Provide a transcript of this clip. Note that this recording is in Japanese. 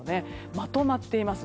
まとまっています。